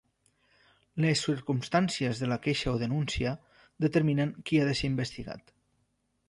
Les circumstàncies de la queixa o denúncia, determinen qui ha de ser investigat.